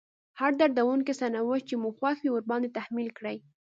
هر دردونکی سرنوشت چې مو خوښ وي ورباندې تحميل کړئ.